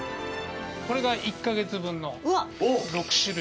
これが１か月分の６種類。